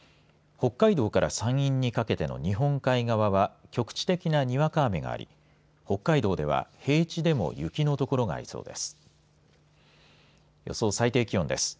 北海道から山陰にかけての日本海側は局地的なにわか雨があり北海道では平地でも雪の所がありそうです。